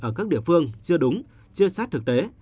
ở các địa phương chưa đúng chưa sát thực tế